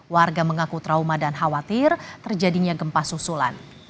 warga mengaku trauma dan khawatir terjadinya gempa susulan